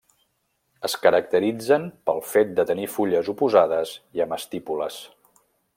Es caracteritzen pel fet de tenir fulles oposades i amb estípules.